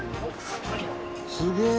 すげえ！」